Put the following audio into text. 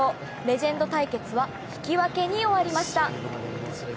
レジェンド対決は引き分けに終わりました。